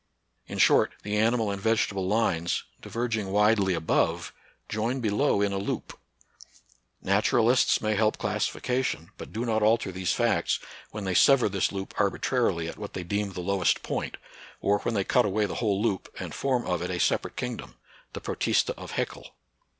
In short, the animal and vege table lines, diverging widely above, join below in a loop. Naturalists may help classification, but do not alter these facts, when they sever this loop arbitrarily at what they deem the 12 NATURAL SCIENCE AND HELIGION. lowest point, or when they cut away the whole loop, and form of it a separate kingdom — the Protista of Hgeckel.